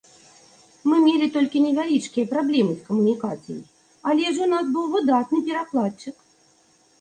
Мы мелі толькі невялічкія праблемы з камунікацыяй, але ж у нас быў выдатны перакладчык.